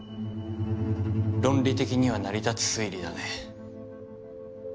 論理的には成り立つ推理だね。